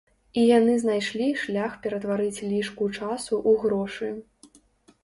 І яны знайшлі шлях ператварыць лішку часу ў грошы.